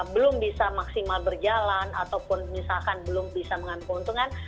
belum bisa maksimal berjalan ataupun misalkan belum bisa mengambil keuntungan